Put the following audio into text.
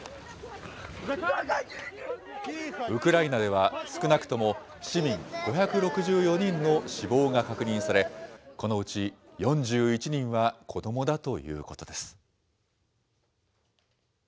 ウクライナでは少なくとも市民５６４人の死亡が確認され、このうち４１人は子どもだということです。